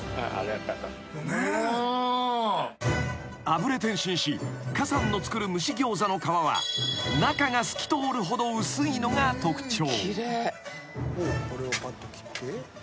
［あぶれ点心師何さんの作る蒸しギョーザの皮は中が透き通るほど薄いのが特徴］